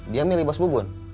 dia milih bos bubun